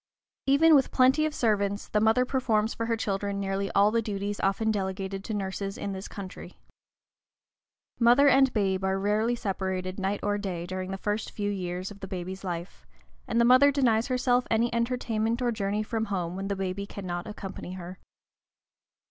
Even with plenty of servants, the mother performs for her children nearly all the duties often delegated to nurses in this country. Mother and babe are rarely separated, night or day, during the first few years of the baby's life, and the mother denies herself any entertainment or journey from home when the baby cannot accompany her.